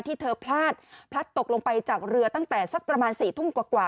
ที่เธอพลาดพลัดตกลงไปจากเรือตั้งแต่สักประมาณ๔ทุ่มกว่า